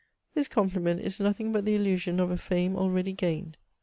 This compUment is nothing but the illusion of a fame already gained.